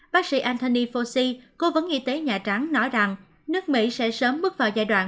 bác sĩ anthony fosi cố vấn y tế nhà trắng nói rằng nước mỹ sẽ sớm bước vào giai đoạn